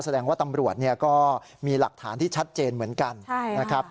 แสดงว่าตำรวจเนี่ยก็มีหลักฐานที่ชัดเจนเหมือนกันนะครับ